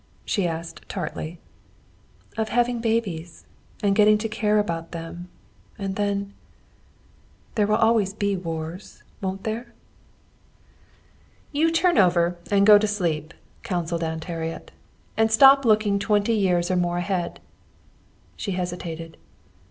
she asked tartly. "Of having babies, and getting to care about them, and then There will always be wars, won't there?" "You turn over and go to sleep," counseled Aunt Harriet. "And stop looking twenty years or more ahead." She hesitated.